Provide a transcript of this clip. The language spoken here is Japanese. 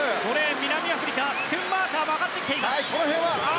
南アフリカスクンマーカーも上がってきた。